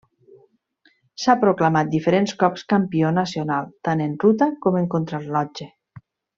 S'ha proclamat diferents cops campió nacional tant en ruta com en contrarellotge.